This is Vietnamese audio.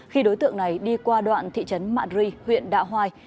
khi đối tượng này đi qua đoạn thị trấn madaway huyện đạo hoài